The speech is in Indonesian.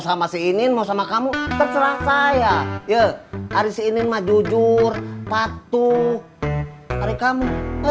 sama si inin mau sama kamu terserah saya ya hari si inin mah jujur patuh hari kamu